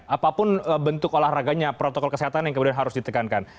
apapun bentuk olahraganya protokol kesehatan yang kemudian harus ditekankan